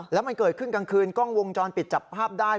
แล้วมันเกิดขึ้นกลางคืนกล้องวงจรปิดจับภาพได้